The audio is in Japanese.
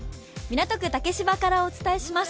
港区竹芝からお伝えします。